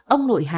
ông nội hà